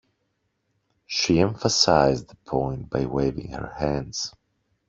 She emphasised the point by waving her hands.